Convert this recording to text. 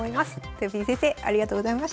とよぴー先生ありがとうございました。